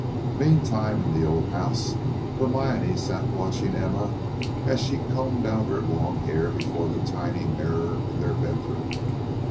Meantime in the old house Hermione sat watching Emma as she combed out her long hair before the tiny mirror in their bedroom.